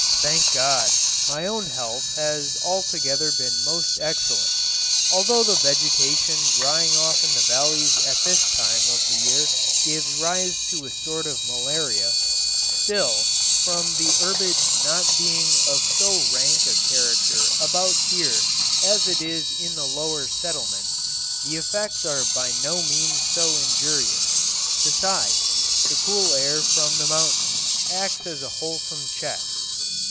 Thank God, my own health has altogether been most excellent. Although the vegetation dying off in the valleys at this time of the year gives rise to a sort of malaria, still, from the herbage not being of so rank a character about here as it is in the lower settlements, the effects are by no means so injurious; besides, the cool air from the mountains acts as a wholesome check.